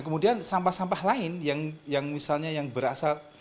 kemudian sampah sampah lain yang misalnya yang berasal